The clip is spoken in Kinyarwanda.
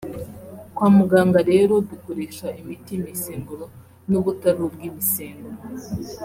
Kwa muganga rero dukoresha imiti y’imisemburo n’ubutari ubw’imisemburo